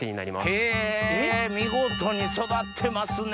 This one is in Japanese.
へぇ見事に育ってますね。